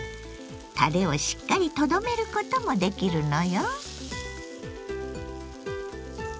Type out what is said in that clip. たれをしっかりとどめることもできるのよ。